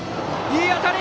いい当たり！